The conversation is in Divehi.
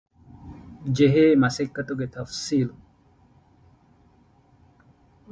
ންޖެހޭ މަސައްކަތުގެ ތަފްޞީލް